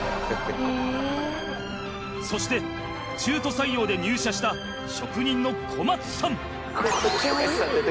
そして中途採用で入社した職人の小松さん。